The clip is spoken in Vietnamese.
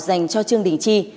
dành cho trương đình chi